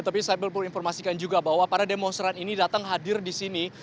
tapi saya perlu informasikan juga bahwa para demonstran ini datang hadir di sini